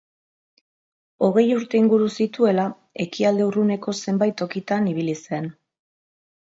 Hogei urte inguru zituela, Ekialde Urruneko zenbait tokitan ibili zen.